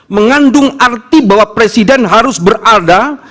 mengandung arti bahwa presiden harus berada